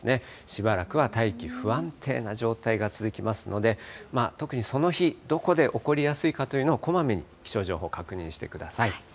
しばらくは大気不安定な状態が続きますので、特にその日、どこで起こりやすいかというのをこまめに気象情報、確認してください。